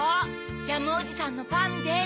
ジャムおじさんのパンです。